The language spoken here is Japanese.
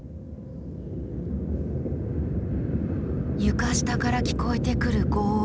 床下から聞こえてくるごう音。